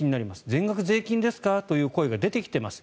全額税金ですかという声が出てきています。